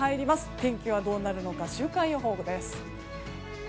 天気はどうなるのか週間予報です。